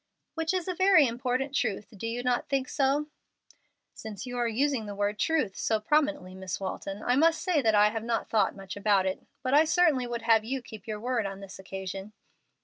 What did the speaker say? "Which is a very important truth: do you not think so?" "Since you are using the word 'truth' so prominently, Miss Walton, I must say that I have not thought much about it. But I certainly would have you keep your word on this occasion."